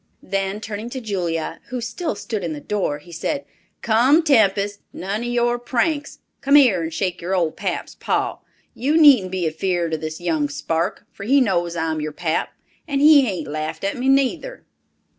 Then turning to Julia, who still stood in the door, he said, "Come, Tempest, none of your pranks! Come here and shake your old pap's paw. You needn't be afeared of this young spark, for he knows I'm your pap, and he hain't laughed at me neither."